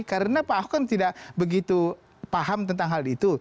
karena pak ahok kan tidak begitu paham tentang hal itu